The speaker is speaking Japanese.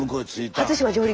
初島上陸。